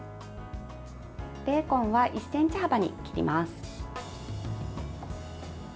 ベーコンは１ｃｍ幅に切ります。